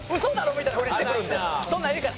みたいな振りしてくるんで。